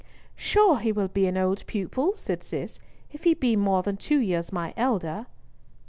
"Sure he will be an old pupil!" said Cis, "if he be more than two years my elder."